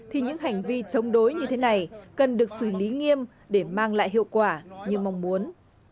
thì những hành vi chống đối như thế này cần được xử lý nghiêm để mang lại hiệu quả như mong muốn